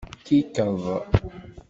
Kikeḍ.